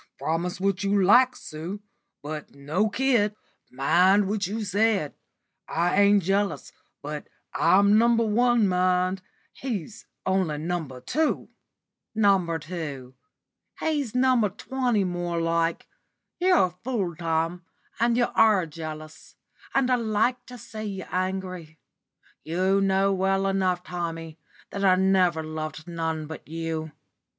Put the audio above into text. "Promise what you like, Sue, but no kid. Mind what you said. I ain't jealous, but I'm No. 1, mind. He's only No. 2." "No. 2! He's No. 20 more like. You're a fool, Tom, and you are jealous. And I like to see you angry. You know well enough, Tommy, that I never loved none but you.